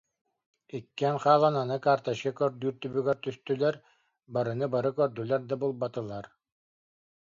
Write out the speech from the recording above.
Иккиэн хаалан аны карточка көрдүүр түбүгэр түстүлэр, барыны бары көрдүлэр да, булбатылар